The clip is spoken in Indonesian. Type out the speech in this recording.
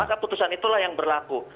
maka putusan itulah yang berlaku